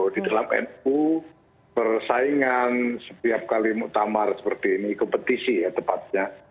di dalam nu persaingan setiap kali muktamar seperti ini kompetisi ya tepatnya